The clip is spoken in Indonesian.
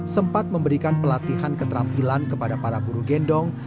sempat memberikan pelatihan keterampilan kepada para buru gendong